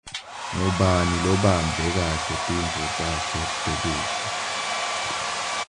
Ngubani lobambe kahle tintfo takhe tekudla.